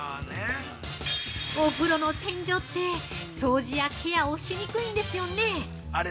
◆お風呂の天井って掃除やケアをしにくいんですよね。